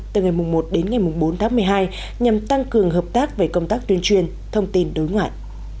từ ngày một đến ngày bốn tháng một mươi hai nhằm tăng cường hợp tác về công tác tuyên truyền thông tin đối ngoại